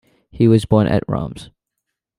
He was born at Reims.